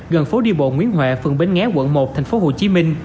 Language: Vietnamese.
gần phố đi bộ nguyễn huệ phường bến nghé quận một tp hcm